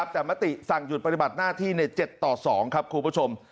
แต่มติสั่งหยุดปฏิบัติหน้าที่ใน๗ต่อ๒ครับคุณผู้ชม